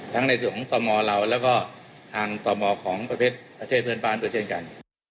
ในส่วนของตมเราแล้วก็ทางต่อมอของประเทศประเทศเพื่อนบ้านด้วยเช่นกัน